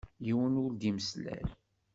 Yiwen ur d-imeslay.